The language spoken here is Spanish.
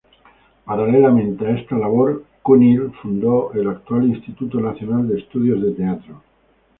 Paralelamente a esta labor, Cunill fundó el actual Instituto Nacional de Estudios de Teatro.